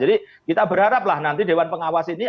jadi itu rifana jadi kita berharap lah nanti dewan pengawas ini